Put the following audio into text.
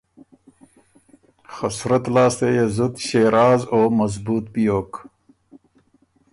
خه صورت لاسته يې زُت ݭېراز او مضبوط بیوک۔